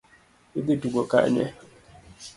Idhi tugo Kanye?